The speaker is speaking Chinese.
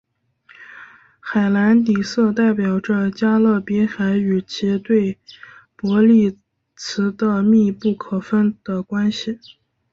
海蓝底色代表着加勒比海与其对伯利兹的密不可分的关系。